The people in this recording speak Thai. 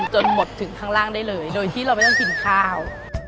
จนหมดถึงข้างล่างได้เลยโดยที่เราไม่ต้องกินข้าว